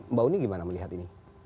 mbak uni gimana melihat ini